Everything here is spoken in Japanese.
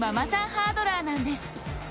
ハードラーなんです。